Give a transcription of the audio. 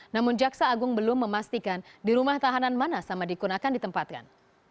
namun jaksa agung belum memastikan di rumah tahanan mana samadikun akan ditempatkan